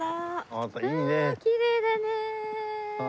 あきれいだね。